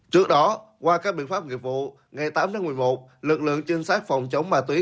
trước đó qua các biện pháp nghiệp vụ ngày tám tháng một mươi một lực lượng trinh sát phòng chống ma túy